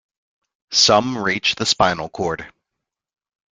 Some reach the spinal cord.